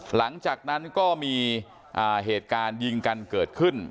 หลังจากนั้นก็มีเหตุการณ์ยิงกันเกิดขึ้น